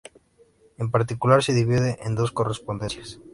En particular, se divide en dos correspondencias.